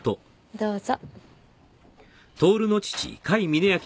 どうぞ。